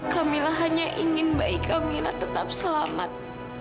kamilah hanya ingin bayi kami tetap selamat